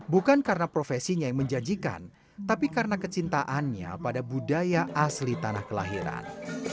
bukan karena profesinya yang menjanjikan tapi karena kecintaannya pada budaya asli tanah kelahiran